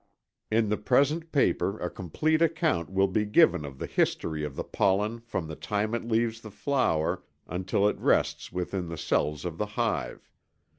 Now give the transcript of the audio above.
In the present paper a complete account will be given of the history of the pollen from the time it leaves the flower until it rests within the cells of the hive.